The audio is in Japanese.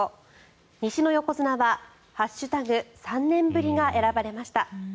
西の横綱は「＃３年ぶり」が選ばれました。